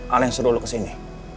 al yang suruh lo kesini